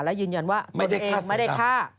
และยืนยันว่าตนเองไม่ได้ฆ่า